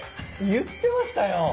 言ってましたよ！